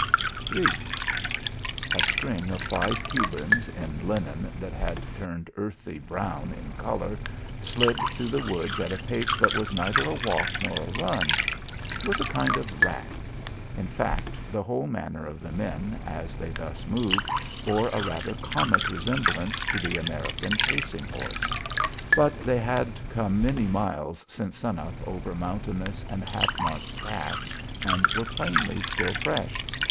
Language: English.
III A string of five Cubans, in linen that had turned earthy brown in colour, slid through the woods at a pace that was neither a walk nor a run. It was a kind of rack. In fact the whole manner of the men, as they thus moved, bore a rather comic resemblance to the American pacing horse. But they had come many miles since sun up over mountainous and half marked paths, and were plainly still fresh.